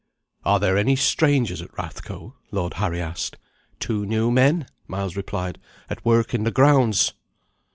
"Are there any strangers at Rathco?" Lord Harry asked. "Two new men," Miles replied, "at work in the grounds."